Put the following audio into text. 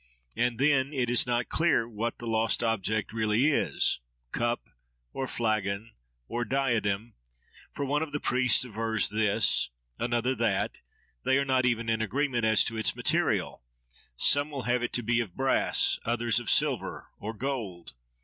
And then, it is not clear what the lost object really is—cup, or flagon, or diadem; for one of the priests avers this, another that; they are not even in agreement as to its material: some will have it to be of brass, others of silver, or gold.